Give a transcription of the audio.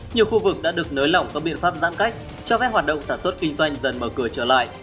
nhiều khu vực đã được nới lỏng các biện pháp giãn cách cho phép hoạt động sản xuất kinh doanh dần mở cửa trở lại